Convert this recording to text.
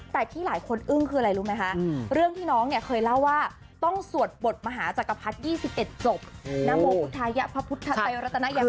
เสร็จจบนโมพุทธายะพระพุทธไทยรัตนาอยะคือส่วนยาวมาก